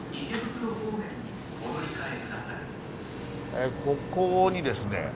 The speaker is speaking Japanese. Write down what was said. えここにですね